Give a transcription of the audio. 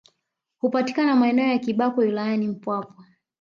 Hupatikana maeneo ya Kibakwe wilayani Mpwapwa